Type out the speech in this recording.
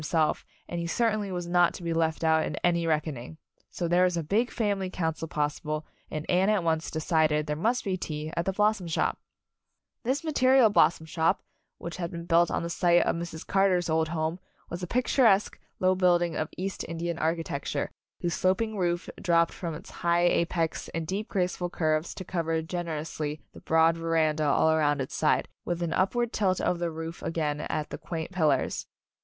himself, and he certainly was not to be left out in any reckoning. So there was a big family council possible, and Anne at once de cided there must be tea at the Blossom Shop. 10 Anne's Wedding This material Blossom Shop, which had been built on the site of Mrs. Car ter's old home, was a picturesque, low building of East Indian architecture, whose sloping roof dropped from its high apex in deep, graceful curves to cover generously the broad veranda all around its sides, with an upward tilt of the roof again at the quaint pillars.